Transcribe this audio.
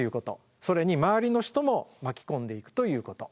それに周りの人も巻き込んでいくということ。